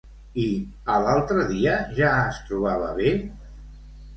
I a l'altre dia, ja es trobava bé?